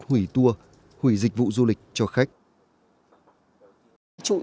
hủy tour hủy dịch vụ du lịch cho khách